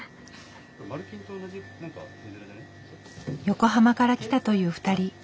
横浜から来たという２人。